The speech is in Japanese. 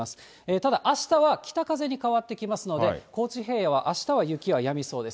ただ、あしたは北風に変わってきますので、高知平野はあしたは雪はやみそうです。